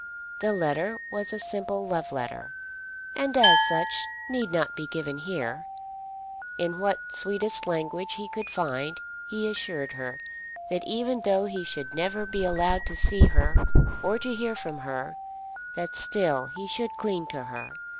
The letter was a simple love letter, and as such need not be given here. In what sweetest language he could find he assured her that even though he should never be allowed to see her or to hear from her, that still he should cling to her.